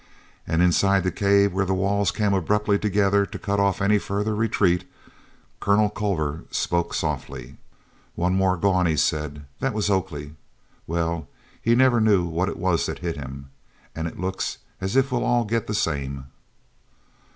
And inside the cave, where the walls came abruptly together to cut off any further retreat, Colonel Culver spoke softly. "One more gone," he said. "That was Oakley. Well, he never knew what it was that hit him—and it looks as if we'll all get the same."